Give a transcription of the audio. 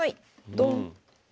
ドン。